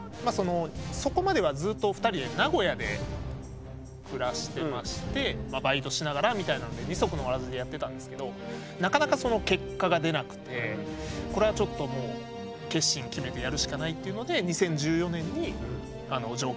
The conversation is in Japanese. そこまではずっと２人で名古屋で暮らしてましてバイトしながらみたいなので二足のわらじでやってたんですけどなかなかその結果が出なくてこれはちょっともう決心決めてやるしかないっていうので２０１４年に上京してきまして。